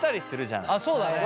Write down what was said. そうだね。